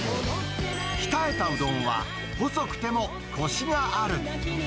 鍛えたうどんは細くてもこしがある。